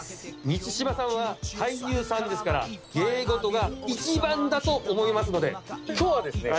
満島さんは俳優ですから芸事が一番だと思いますので今日はですね